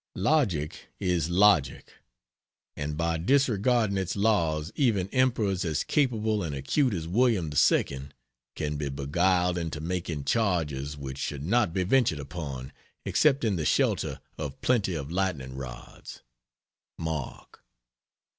Logic is logic; and by disregarding its laws even Emperors as capable and acute as William II can be beguiled into making charges which should not be ventured upon except in the shelter of plenty of lightning rods. MARK.